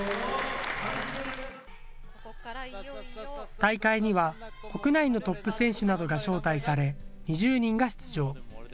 大会には国内のトップ選手などが招待され、２０人が出場。